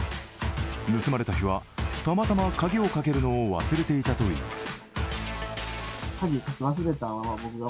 盗まれた日は、たまたま鍵をかけるのを忘れていたといいます。